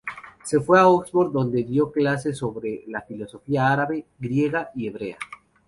Se fue a Oxford, donde dio clases sobre la filosofía árabe, griega y hebrea.